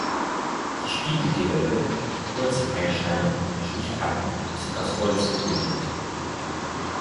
Die Spiegelgewölbe mit kurz einschneidenden Stichkappen sind aus Holz gebildet.